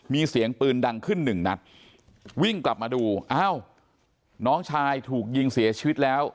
มีเสียงปืนดังขึ้นหนึ่งนัดวิ่งกลับมาดูอ้าวน้องชายถูกยิงเสียชีวิตแล้ว